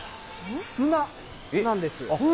砂なんです。